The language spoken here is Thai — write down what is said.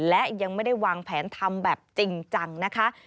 และยังไม่ได้วางแผนทำแบบจริงจังนะคะ